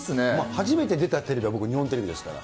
初めて出たテレビは僕、日本テレビですから。